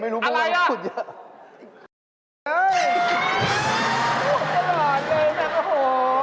พูดตลอดเลยแบบโอ้โห